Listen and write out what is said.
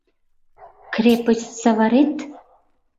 — Крепость саварет?!